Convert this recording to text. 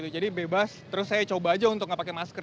jadi bebas terus saya coba aja untuk nggak pakai masker